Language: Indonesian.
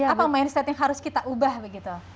apa mindset yang harus kita ubah begitu